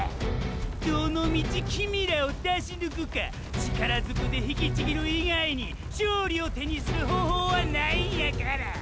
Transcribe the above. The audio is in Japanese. ⁉どのみちキミィらを出しぬくか力ずくで引きちぎる以外に勝利を手にする方法はないんやから！！